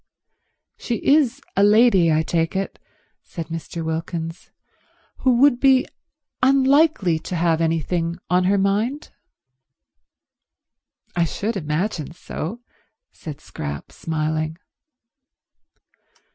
"She is a lady, I take it," said Mr. Wilkins, "who would be unlikely to have anything on her mind?" "I should imagine so," said Scrap, smiling.